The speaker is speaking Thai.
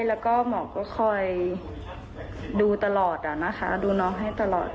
แล้วก็หมอก็คอยดูตลอดนะคะดูน้องให้ตลอด